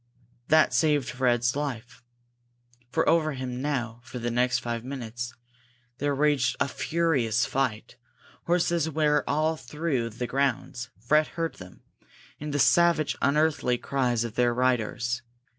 That saved Fred's life. For over him now, for the next five minutes, there raged a furious fight. Horses were all through the grounds; Fred heard them, and the savage, unearthly cries of their riders.